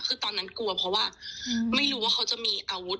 คือตอนนั้นกลัวเพราะว่าไม่รู้ว่าเขาจะมีอาวุธ